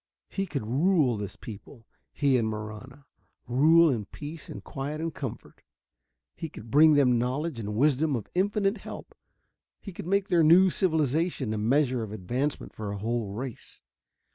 He could rule this people, he and Marahna, rule in peace and quiet and comfort. He could bring them knowledge and wisdom of infinite help; he could make their new civilization a measure of advancement for a whole race.